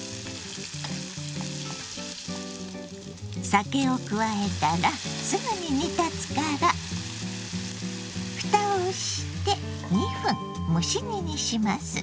酒を加えたらすぐに煮立つからふたをして２分蒸し煮にします。